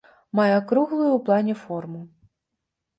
Мае акруглую ў плане форму.